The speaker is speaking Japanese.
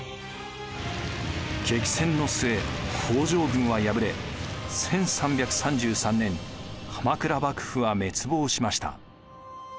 激戦の末北条軍は敗れ１３３３年鎌倉幕府は滅亡しました。